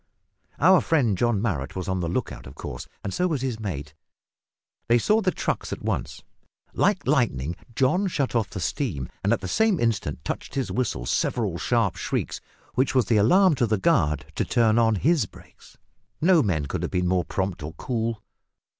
Our friend John Marrot was on the look out of course, and so was his mate. They saw the trucks at once. Like lightning John shut off the steam and at the same instant touched his whistle several sharp shrieks, which was the alarm to the guard to turn on his brakes. No men could have been more prompt or cool.